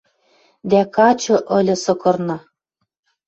Дӓ качы ыльы сыкырна.